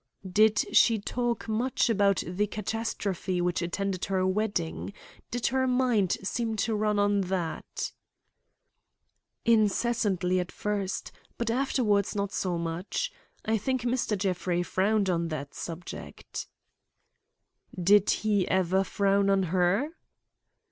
"Did she talk much about the catastrophe which attended her wedding? Did her mind seem to run on that?" "Incessantly at first; but afterward not so much. I think Mr. Jeffrey frowned on that subject." "Did he ever frown on her?"